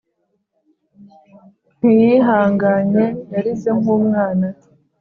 ntiyihanganye yarize nkumwana